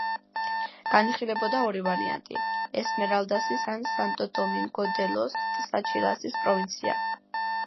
განიხილებოდა ორი ვარიანტი: ესმერალდასის ან სანტო-დომინგო-დე-ლოს-ტსაჩილასის პროვინცია.